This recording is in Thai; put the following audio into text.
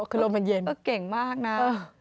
ก็เก่งมากนะ